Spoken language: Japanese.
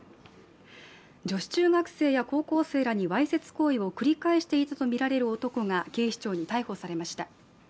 女子中学生や高校生らにわいせつ行為を繰り返していたとみられる男が警視庁に逮捕されました。